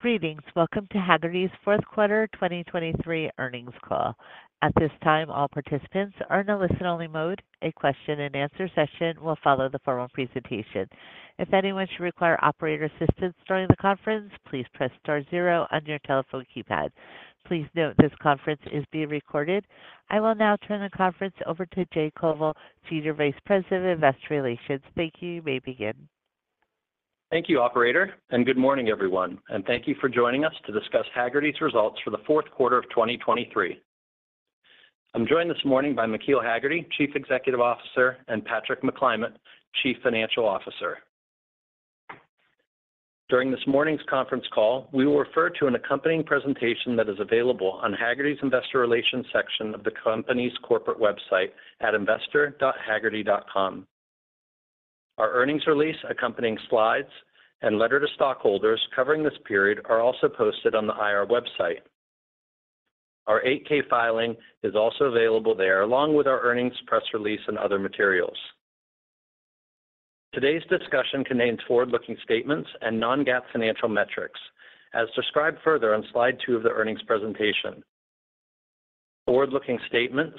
Greetings. Welcome to Hagerty's fourth quarter 2023 earnings call. At this time, all participants are in a listen-only mode. A question-and-answer session will follow the formal presentation. If anyone should require operator assistance during the conference, please press star 0 on your telephone keypad. Please note this conference is being recorded. I will now turn the conference over to Jay Koval, Senior Vice President of Investor Relations. Thank you. You may begin. Thank you, operator, and good morning, everyone. Thank you for joining us to discuss Hagerty's results for the fourth quarter of 2023. I'm joined this morning by McKeel Hagerty, Chief Executive Officer, and Patrick McClymont, Chief Financial Officer. During this morning's conference call, we will refer to an accompanying presentation that is available on Hagerty's investor relations section of the company's corporate website at investor.hagerty.com. Our earnings release accompanying slides and letter to stockholders covering this period are also posted on the IR website. Our 8-K filing is also available there, along with our earnings press release and other materials. Today's discussion contains forward-looking statements and non-GAAP financial metrics, as described further on slide two of the earnings presentation. Forward-looking statements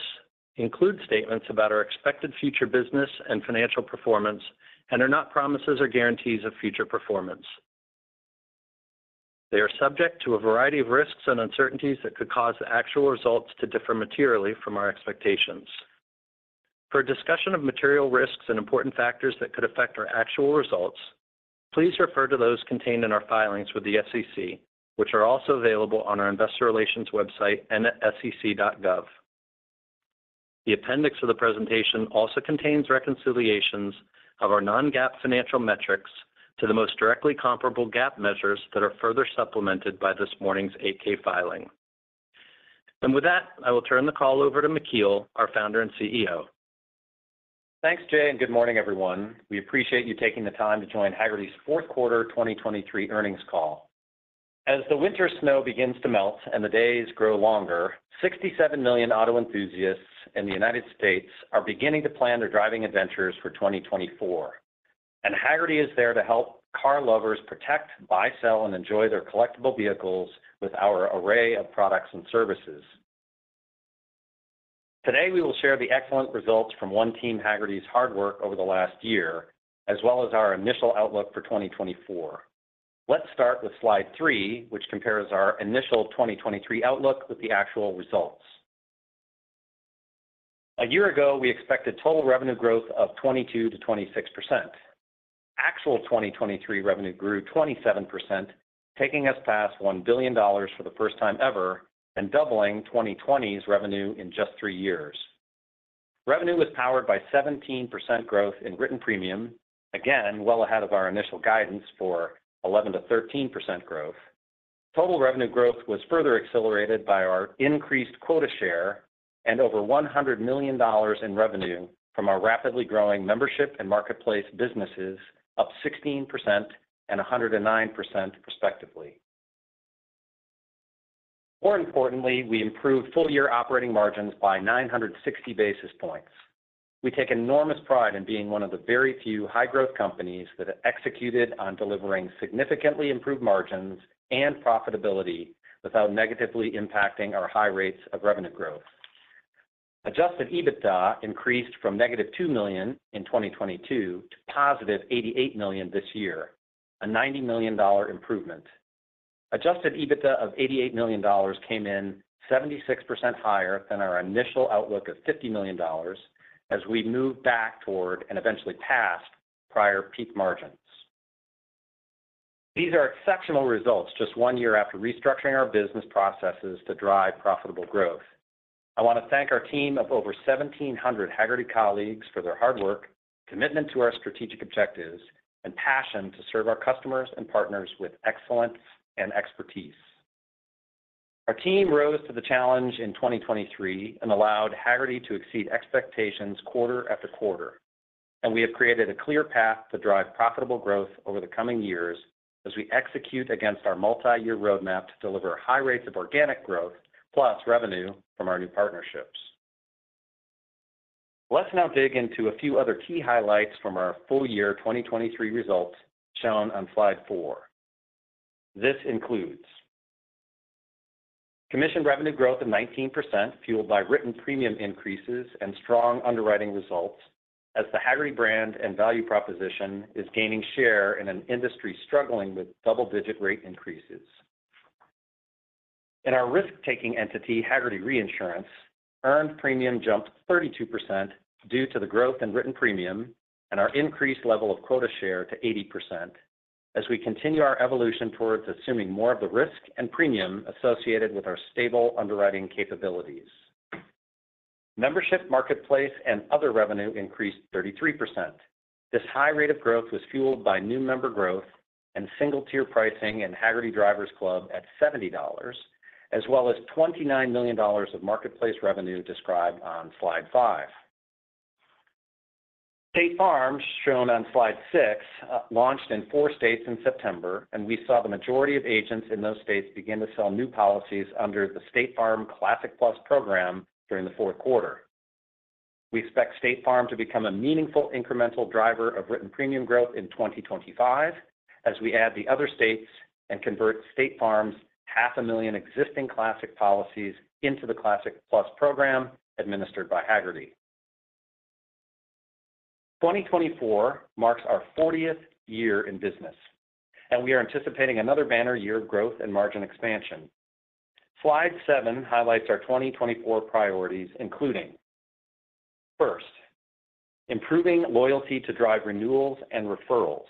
include statements about our expected future business and financial performance and are not promises or guarantees of future performance. They are subject to a variety of risks and uncertainties that could cause the actual results to differ materially from our expectations. For a discussion of material risks and important factors that could affect our actual results, please refer to those contained in our filings with the SEC, which are also available on our investor relations website and at sec.gov. The appendix of the presentation also contains reconciliations of our non-GAAP financial metrics to the most directly comparable GAAP measures that are further supplemented by this morning's 8-K filing. With that, I will turn the call over to McKeel, our founder and CEO. Thanks, Jay, and good morning, everyone. We appreciate you taking the time to join Hagerty's fourth quarter 2023 earnings call. As the winter snow begins to melt and the days grow longer, 67 million auto enthusiasts in the United States are beginning to plan their driving adventures for 2024. Hagerty is there to help car lovers protect, buy, sell, and enjoy their collectible vehicles with our array of products and services. Today, we will share the excellent results from One Team Hagerty's hard work over the last year, as well as our initial outlook for 2024. Let's start with slide three, which compares our initial 2023 outlook with the actual results. A year ago, we expected total revenue growth of 22%-26%. Actual 2023 revenue grew 27%, taking us past $1 billion for the first time ever and doubling 2020's revenue in just three years. Revenue was powered by 17% growth in written premium, again well ahead of our initial guidance for 11%-13% growth. Total revenue growth was further accelerated by our increased quota share and over $100 million in revenue from our rapidly growing membership and marketplace businesses, up 16% and 109% respectively. More importantly, we improved full-year operating margins by 960 basis points. We take enormous pride in being one of the very few high-growth companies that executed on delivering significantly improved margins and profitability without negatively impacting our high rates of revenue growth. Adjusted EBITDA increased from negative $2 million in 2022 to positive $88 million this year, a $90 million improvement. Adjusted EBITDA of $88 million came in 76% higher than our initial outlook of $50 million as we moved back toward and eventually past prior peak margins. These are exceptional results just one year after restructuring our business processes to drive profitable growth. I want to thank our team of over 1,700 Hagerty colleagues for their hard work, commitment to our strategic objectives, and passion to serve our customers and partners with excellence and expertise. Our team rose to the challenge in 2023 and allowed Hagerty to exceed expectations quarter after quarter. We have created a clear path to drive profitable growth over the coming years as we execute against our multi-year roadmap to deliver high rates of organic growth plus revenue from our new partnerships. Let's now dig into a few other key highlights from our full-year 2023 results shown on slide four. This includes commission revenue growth of 19% fueled by written premium increases and strong underwriting results as the Hagerty brand and value proposition is gaining share in an industry struggling with double-digit rate increases. In our risk-taking entity, Hagerty Reinsurance, earned premium jumped 32% due to the growth in written premium and our increased level of quota share to 80% as we continue our evolution towards assuming more of the risk and premium associated with our stable underwriting capabilities. Membership, marketplace, and other revenue increased 33%. This high rate of growth was fueled by new member growth and single-tier pricing in Hagerty Drivers Club at $70, as well as $29 million of marketplace revenue described on slide 5. State Farm, shown on slide six, launched in four states in September, and we saw the majority of agents in those states begin to sell new policies under the State Farm Classic Plus program during the fourth quarter. We expect State Farm to become a meaningful incremental driver of written premium growth in 2025 as we add the other states and convert State Farm 500,000 existing Classic policies into the Classic Plus program administered by Hagerty. 2024 marks our 40th year in business, and we are anticipating another banner year of growth and margin expansion. Slide seven highlights our 2024 priorities, including first, improving loyalty to drive renewals and referrals.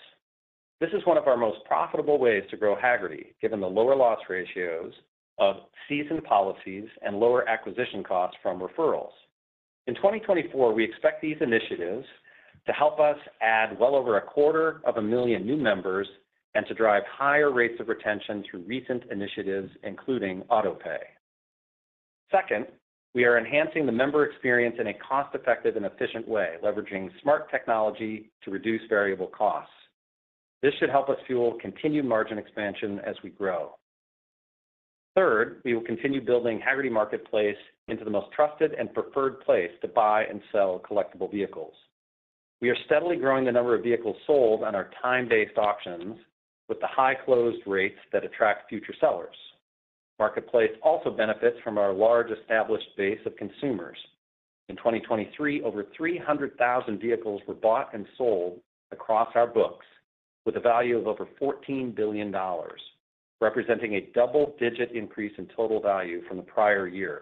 This is one of our most profitable ways to grow Hagerty, given the lower loss ratios of seasoned policies and lower acquisition costs from referrals. In 2024, we expect these initiatives to help us add well over 250,000 new members and to drive higher rates of retention through recent initiatives, including autopay. Second, we are enhancing the member experience in a cost-effective and efficient way, leveraging smart technology to reduce variable costs. This should help us fuel continued margin expansion as we grow. Third, we will continue building Hagerty Marketplace into the most trusted and preferred place to buy and sell collectible vehicles. We are steadily growing the number of vehicles sold on our time-based auctions with the high closed rates that attract future sellers. Marketplace also benefits from our large established base of consumers. In 2023, over 300,000 vehicles were bought and sold across our books with a value of over $14 billion, representing a double-digit increase in total value from the prior year.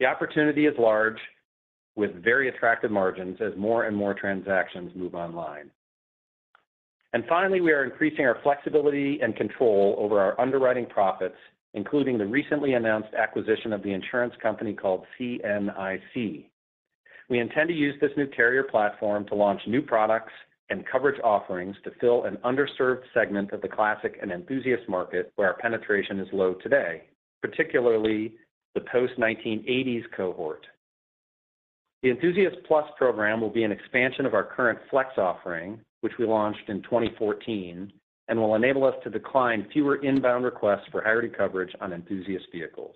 The opportunity is large with very attractive margins as more and more transactions move online. Finally, we are increasing our flexibility and control over our underwriting profits, including the recently announced acquisition of the insurance company called CNIC. We intend to use this new carrier platform to launch new products and coverage offerings to fill an underserved segment of the classic and enthusiast market where our penetration is low today, particularly the post-1980s cohort. The Enthusiast Plus program will be an expansion of our current Flex offering, which we launched in 2014, and will enable us to decline fewer inbound requests for Hagerty coverage on enthusiast vehicles.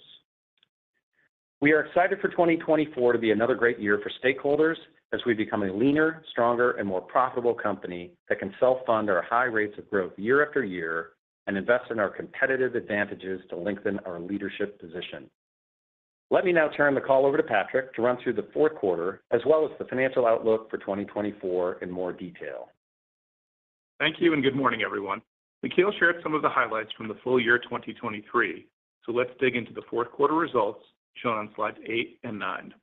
We are excited for 2024 to be another great year for stakeholders as we become a leaner, stronger, and more profitable company that can self-fund our high rates of growth year after year and invest in our competitive advantages to lengthen our leadership position. Let me now turn the call over to Patrick to run through the fourth quarter as well as the financial outlook for 2024 in more detail. Thank you, and good morning, everyone. McKeel shared some of the highlights from the full year 2023, so let's dig into the fourth quarter results shown on slides eight and nine.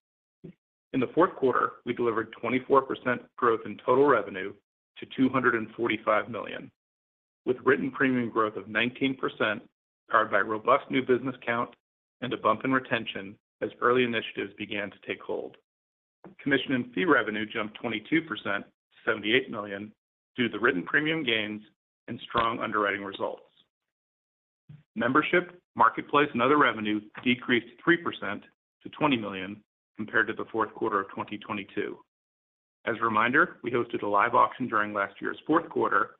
In the fourth quarter, we delivered 24% growth in total revenue to $245 million, with written premium growth of 19% powered by robust new business count and a bump in retention as early initiatives began to take hold. Commission and fee revenue jumped 22% to $78 million due to the written premium gains and strong underwriting results. Membership, marketplace, and other revenue decreased 3% to $20 million compared to the fourth quarter of 2022. As a reminder, we hosted a live auction during last year's fourth quarter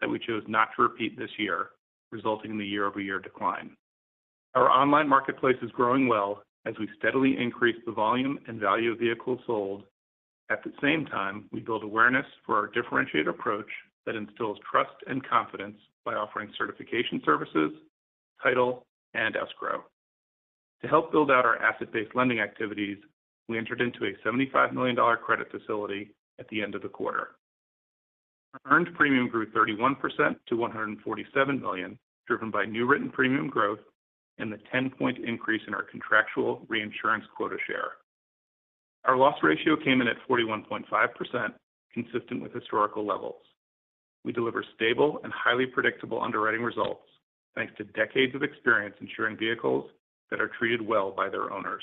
that we chose not to repeat this year, resulting in the year-over-year decline. Our online marketplace is growing well as we steadily increase the volume and value of vehicles sold. At the same time, we build awareness for our differentiated approach that instills trust and confidence by offering certification services, title, and escrow. To help build out our asset-based lending activities, we entered into a $75 million credit facility at the end of the quarter. Our earned premium grew 31% to $147 million, driven by new written premium growth and the 10-point increase in our contractual reinsurance quota share. Our loss ratio came in at 41.5%, consistent with historical levels. We deliver stable and highly predictable underwriting results thanks to decades of experience ensuring vehicles that are treated well by their owners.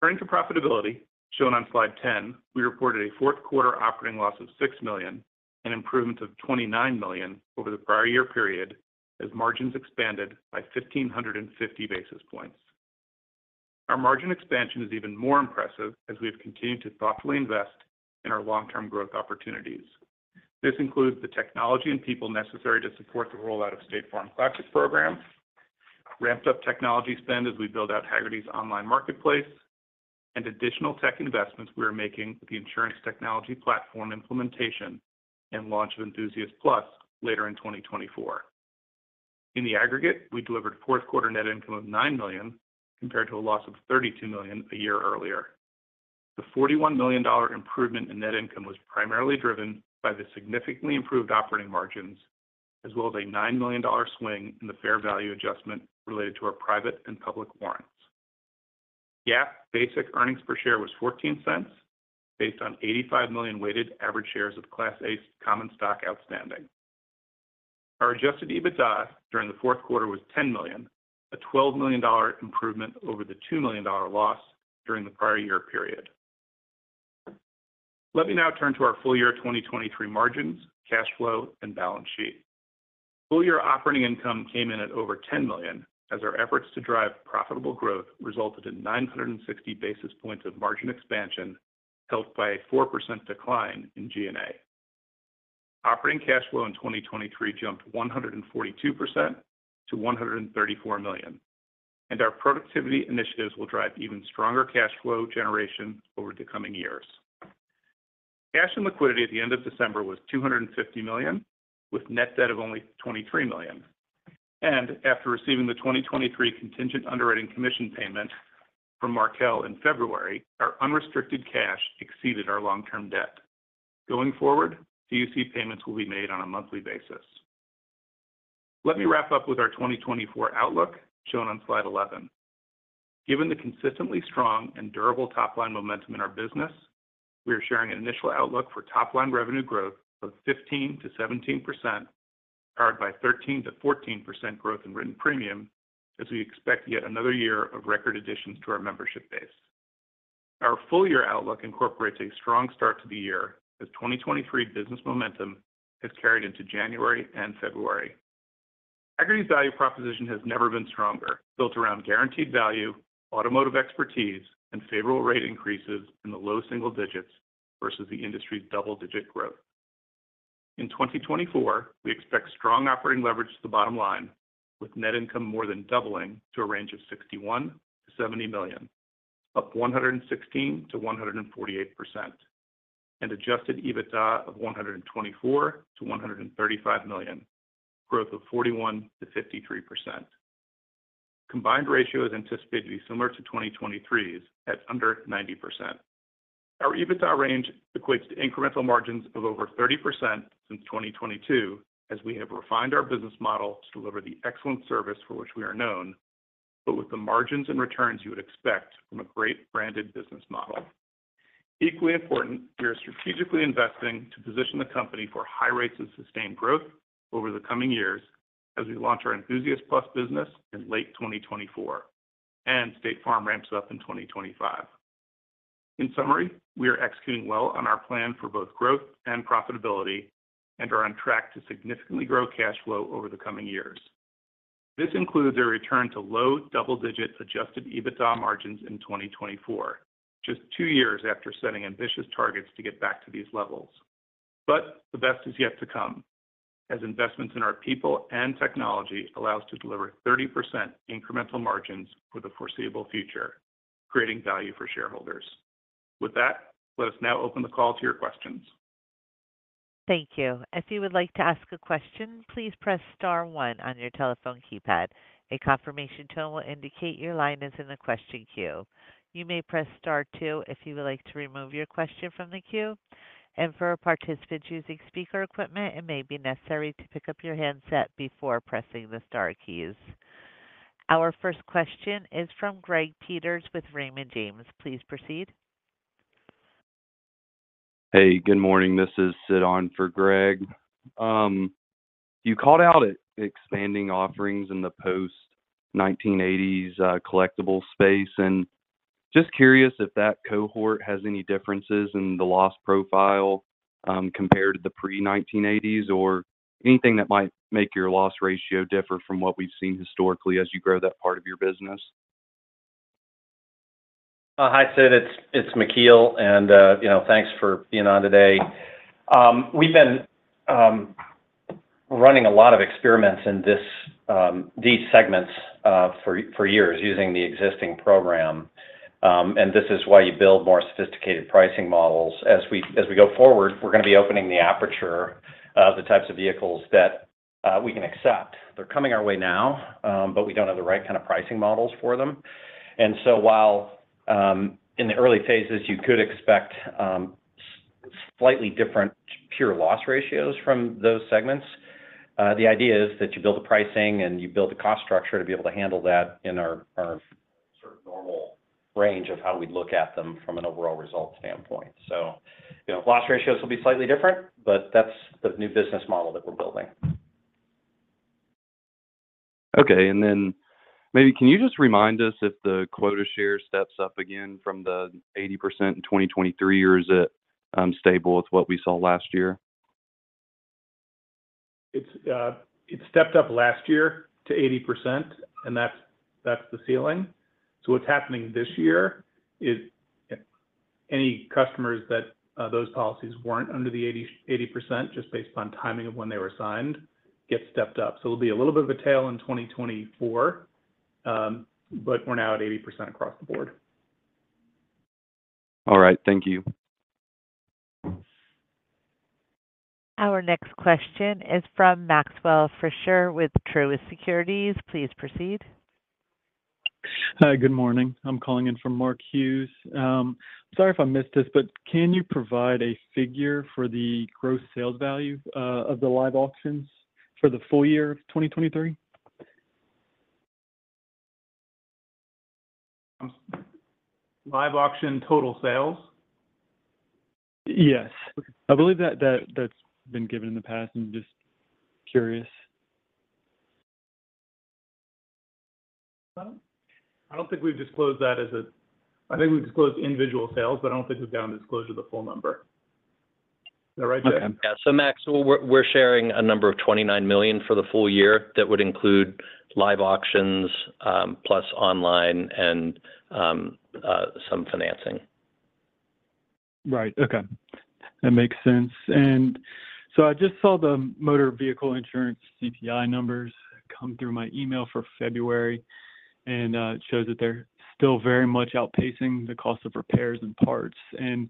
Turning to profitability, shown on slide 10, we reported a fourth quarter operating loss of $6 million and improvement of $29 million over the prior year period as margins expanded by 1,550 basis points. Our margin expansion is even more impressive as we have continued to thoughtfully invest in our long-term growth opportunities. This includes the technology and people necessary to support the rollout of State Farm Classic program, ramped-up technology spend as we build out Hagerty's online marketplace, and additional tech investments we are making with the insurance technology platform implementation and launch of Enthusiast Plus later in 2024. In the aggregate, we delivered a fourth quarter net income of $9 million compared to a loss of $32 million a year earlier. The $41 million improvement in net income was primarily driven by the significantly improved operating margins as well as a $9 million swing in the fair value adjustment related to our private and public warrants. GAAP basic earnings per share was $0.14 based on 85 million weighted average shares of Class A common stock outstanding. Our adjusted EBITDA during the fourth quarter was $10 million, a $12 million improvement over the $2 million loss during the prior year period. Let me now turn to our full year 2023 margins, cash flow, and balance sheet. Full year operating income came in at over $10 million as our efforts to drive profitable growth resulted in 960 basis points of margin expansion helped by a 4% decline in G&A. Operating cash flow in 2023 jumped 142% to $134 million, and our productivity initiatives will drive even stronger cash flow generation over the coming years. Cash and liquidity at the end of December was $250 million, with net debt of only $23 million. After receiving the 2023 contingent underwriting commission payment from Markel in February, our unrestricted cash exceeded our long-term debt. Going forward, CUC payments will be made on a monthly basis. Let me wrap up with our 2024 outlook shown on slide 11. Given the consistently strong and durable top-line momentum in our business, we are sharing an initial outlook for top-line revenue growth of 15%-17% powered by 13%-14% growth in written premium as we expect yet another year of record additions to our membership base. Our full year outlook incorporates a strong start to the year as 2023 business momentum has carried into January and February. Hagerty's value proposition has never been stronger, built around guaranteed value, automotive expertise, and favorable rate increases in the low single digits versus the industry's double-digit growth. In 2024, we expect strong operating leverage to the bottom line, with net income more than doubling to a range of $61 million-$70 million, up 116%-148%, and Adjusted EBITDA of $124 million-$135 million, growth of 41%-53%. Combined ratio is anticipated to be similar to 2023's at under 90%. Our Adjusted EBITDA range equates to incremental margins of over 30% since 2022 as we have refined our business model to deliver the excellent service for which we are known, but with the margins and returns you would expect from a great branded business model. Equally important, we are strategically investing to position the company for high rates of sustained growth over the coming years as we launch our Enthusiast Plus business in late 2024 and State Farm ramps up in 2025. In summary, we are executing well on our plan for both growth and profitability and are on track to significantly grow cash flow over the coming years. This includes a return to low double-digit Adjusted EBITDA margins in 2024, just two years after setting ambitious targets to get back to these levels. But the best is yet to come as investments in our people and technology allow us to deliver 30% incremental margins for the foreseeable future, creating value for shareholders. With that, let us now open the call to your questions. Thank you. If you would like to ask a question, please press star one on your telephone keypad. A confirmation tone will indicate your line is in the question queue. You may press star two if you would like to remove your question from the queue. For participants using speaker equipment, it may be necessary to pick up your handset before pressing the star keys. Our first question is from Greg Peters with Raymond James. Please proceed. Hey, good morning. This is Sid in for Greg. You called out expanding offerings in the post-1980s collectible space, and just curious if that cohort has any differences in the loss profile compared to the pre-1980s or anything that might make your loss ratio differ from what we've seen historically as you grow that part of your business. Hi, Sid. It's McKeel, and thanks for being on today. We've been running a lot of experiments in these segments for years using the existing program, and this is why you build more sophisticated pricing models. As we go forward, we're going to be opening the aperture of the types of vehicles that we can accept. They're coming our way now, but we don't have the right kind of pricing models for them. And so while in the early phases, you could expect slightly different pure loss ratios from those segments, the idea is that you build a pricing and you build a cost structure to be able to handle that in our sort of normal range of how we'd look at them from an overall result standpoint. So loss ratios will be slightly different, but that's the new business model that we're building. Okay. And then maybe can you just remind us if the quota share steps up again from the 80% in 2023, or is it stable with what we saw last year? It stepped up last year to 80%, and that's the ceiling. So what's happening this year is any customers that those policies weren't under the 80%, just based upon timing of when they were signed, get stepped up. So it'll be a little bit of a tail in 2024, but we're now at 80% across the board. All right. Thank you. Our next question is from Maxwell Fritscher with Truist Securities. Please proceed. Hi, good morning. I'm calling in from Mark Hughes. I'm sorry if I missed this, but can you provide a figure for the gross sales value of the live auctions for the full year of 2023? Live auction total sales? Yes. I believe that's been given in the past, and just curious. I don't think we've disclosed that. I think we've disclosed individual sales, but I don't think we've gotten a disclosure of the full number. Is that right, Jay? Okay. Yeah. So Max, we're sharing a number of $29 million for the full year that would include live auctions plus online and some financing. Right. Okay. That makes sense. And so I just saw the Motor vehicle insurance CPI numbers come through my email for February, and it shows that they're still very much outpacing the cost of repairs and parts. And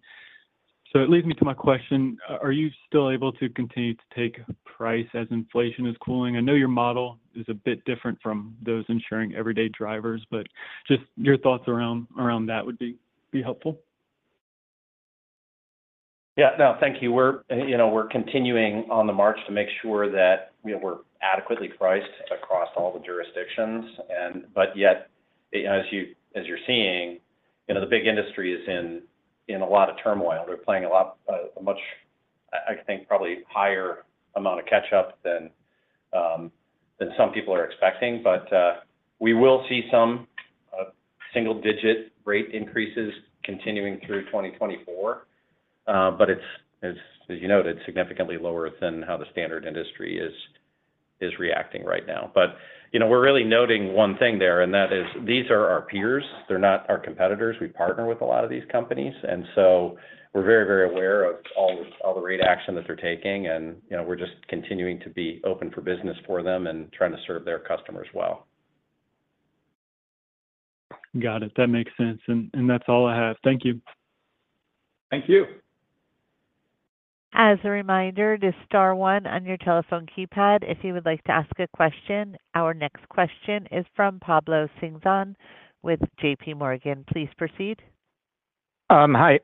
so it leads me to my question. Are you still able to continue to take price as inflation is cooling? I know your model is a bit different from those insuring everyday drivers, but just your thoughts around that would be helpful. Yeah. No, thank you. We're continuing on the march to make sure that we're adequately priced across all the jurisdictions. But yet, as you're seeing, the big industry is in a lot of turmoil. They're playing a much, I think, probably higher amount of catch-up than some people are expecting. But we will see some single-digit rate increases continuing through 2024, but as you noted, significantly lower than how the standard industry is reacting right now. But we're really noting one thing there, and that is these are our peers. They're not our competitors. We partner with a lot of these companies. And so we're very, very aware of all the rate action that they're taking, and we're just continuing to be open for business for them and trying to serve their customers well. Got it. That makes sense. That's all I have. Thank you. Thank you. As a reminder, just star one on your telephone keypad if you would like to ask a question. Our next question is from Pablo Singzon with JP Morgan. Please proceed. Hi.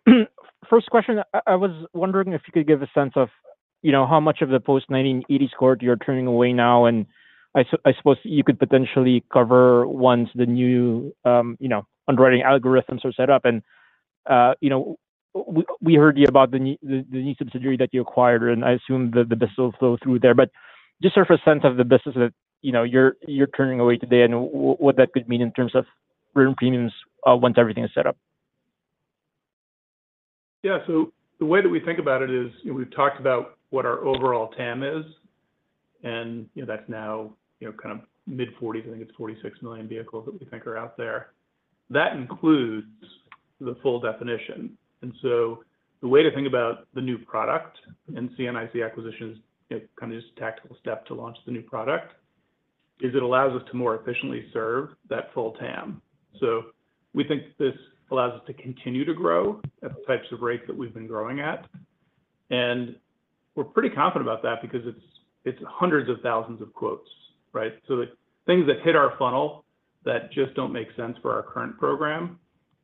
First question, I was wondering if you could give a sense of how much of the post-1980s cohort you're turning away now. And I suppose you could potentially cover once the new underwriting algorithms are set up. And we heard about the new subsidiary that you acquired, and I assume the business will flow through there. But just give a sense of the business that you're turning away today and what that could mean in terms of written premiums once everything is set up. Yeah. So the way that we think about it is we've talked about what our overall TAM is, and that's now kind of mid-40s. I think it's 46 million vehicles that we think are out there. That includes the full definition. And so the way to think about the new product and CNIC acquisition is kind of just a tactical step to launch the new product is it allows us to more efficiently serve that full TAM. So we think this allows us to continue to grow at the types of rates that we've been growing at. And we're pretty confident about that because it's hundreds of thousands of quotes, right? So the things that hit our funnel that just don't make sense for our current program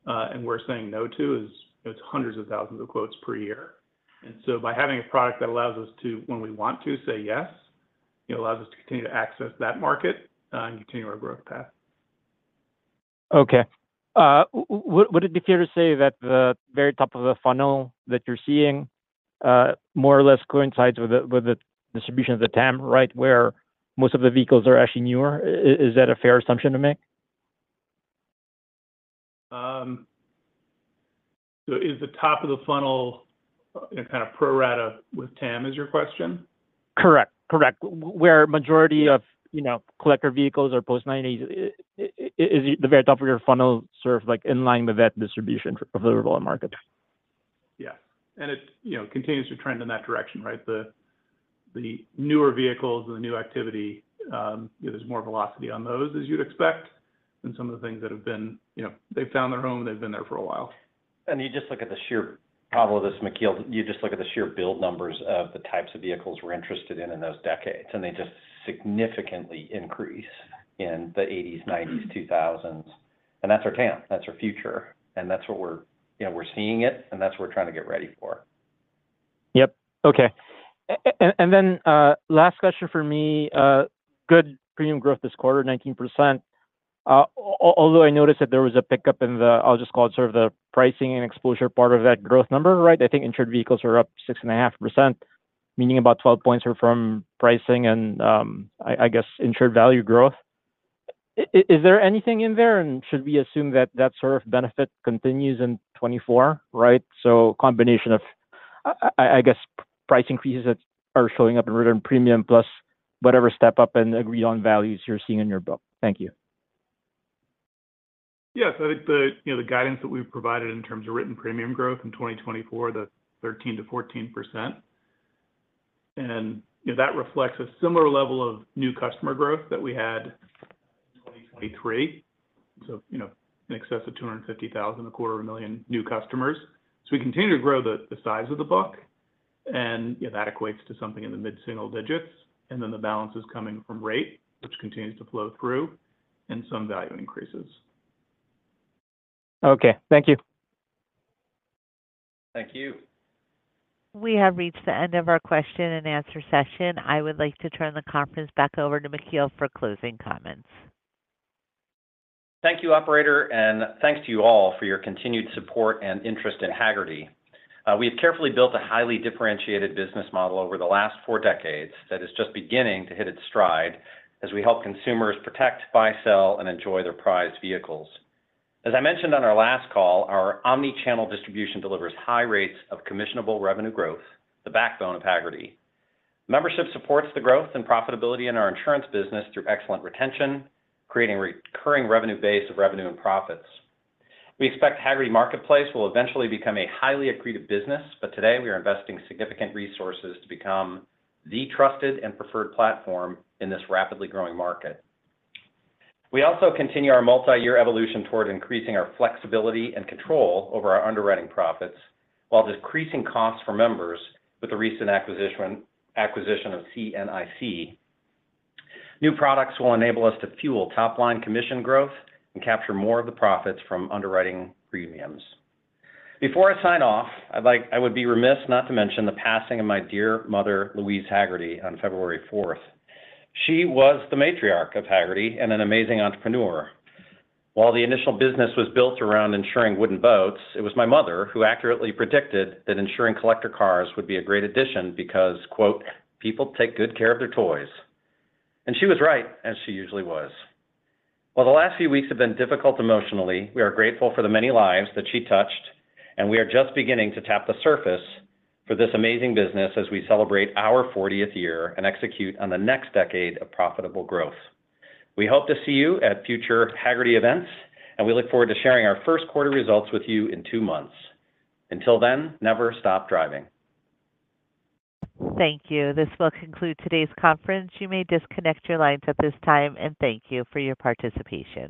and we're saying no to is it's hundreds of thousands of quotes per year. And so by having a product that allows us to, when we want to, say yes, it allows us to continue to access that market and continue our growth path. Okay. Would it be fair to say that the very top of the funnel that you're seeing more or less coincides with the distribution of the TAM, right, where most of the vehicles are actually newer? Is that a fair assumption to make? Is the top of the funnel kind of pro rata with TAM, is your question? Correct. Correct. Where a majority of collector vehicles are post-90s, is the very top of your funnel served in line with that distribution of the revolving market? Yes. It continues to trend in that direction, right? The newer vehicles and the new activity, there's more velocity on those, as you'd expect, than some of the things that have been, they've found their home. They've been there for a while. And you just look at the sheer Pablo, this McKeel, you just look at the sheer build numbers of the types of vehicles we're interested in in those decades, and they just significantly increase in the '80s, '90s, 2000s. And that's our TAM. That's our future. And that's what we're seeing it, and that's what we're trying to get ready for. Yep. Okay. And then last question for me. Good premium growth this quarter, 19%. Although I noticed that there was a pickup in the, I'll just call it sort of the pricing and exposure part of that growth number, right? I think insured vehicles are up 6.5%, meaning about 12 points are from pricing and, I guess, insured value growth. Is there anything in there, and should we assume that that sort of benefit continues in 2024, right? So combination of, I guess, price increases that are showing up in written premium plus whatever step up and agreed-on values you're seeing in your book. Thank you. Yes. I think the guidance that we've provided in terms of written premium growth in 2024, the 13%-14%. And that reflects a similar level of new customer growth that we had in 2023, so in excess of 250,000, a quarter of a million new customers. So we continue to grow the size of the book, and that equates to something in the mid-single digits. And then the balance is coming from rate, which continues to flow through, and some value increases. Okay. Thank you. Thank you. We have reached the end of our question and answer session. I would like to turn the conference back over to McKeel for closing comments. Thank you, operator, and thanks to you all for your continued support and interest in Hagerty. We have carefully built a highly differentiated business model over the last four decades that is just beginning to hit its stride as we help consumers protect, buy, sell, and enjoy their prized vehicles. As I mentioned on our last call, our omnichannel distribution delivers high rates of commissionable revenue growth, the backbone of Hagerty. Membership supports the growth and profitability in our insurance business through excellent retention, creating a recurring revenue base of revenue and profits. We expect Hagerty Marketplace will eventually become a highly accretive business, but today we are investing significant resources to become the trusted and preferred platform in this rapidly growing market. We also continue our multi-year evolution toward increasing our flexibility and control over our underwriting profits while decreasing costs for members with the recent acquisition of CNIC. New products will enable us to fuel top-line commission growth and capture more of the profits from underwriting premiums. Before I sign off, I would be remiss not to mention the passing of my dear mother, Louise Hagerty, on February 4th. She was the matriarch of Hagerty and an amazing entrepreneur. While the initial business was built around insuring wooden boats, it was my mother who accurately predicted that insuring collector cars would be a great addition because, "People take good care of their toys." And she was right, as she usually was. While the last few weeks have been difficult emotionally, we are grateful for the many lives that she touched, and we are just beginning to tap the surface for this amazing business as we celebrate our 40th year and execute on the next decade of profitable growth. We hope to see you at future Hagerty events, and we look forward to sharing our first quarter results with you in two months. Until then, never stop driving. Thank you. This will conclude today's conference. You may disconnect your lines at this time, and thank you for your participation.